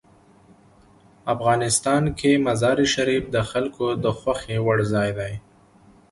افغانستان کې مزارشریف د خلکو د خوښې وړ ځای دی.